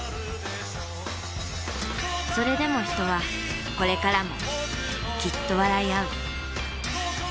それでも人はこれからもきっと笑いあう。